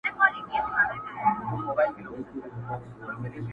اشنا پوښتني ته مي راسه!!